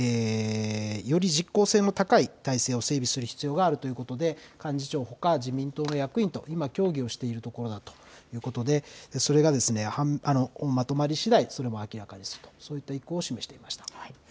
より実効性の高い体制を整備する必要があるということで幹事長ほか、自民党の役員と今、協議をしているところだということでそれがまとまり次第それは明らかにするといった意向は示していました。